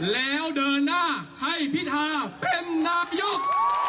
แล้วเดินหน้าให้พิธาเป็นนายก